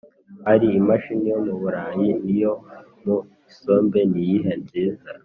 Ari imashini yo mu Burayi niyo mu isombe niyihe nziz